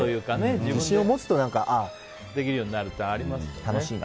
自信を持つとできるようになるとかありますよね。